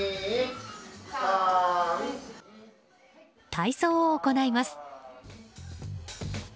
体操を行います。